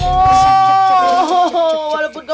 cukup cukup cukup